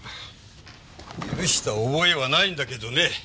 許した覚えはないんだけどね。